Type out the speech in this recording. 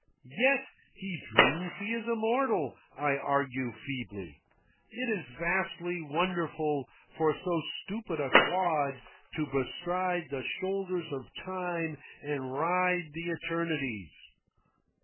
"Yet he dreams he is immortal," I argue feebly. "It is vastly wonderful for so stupid a clod to bestride the shoulders of time and ride the eternities."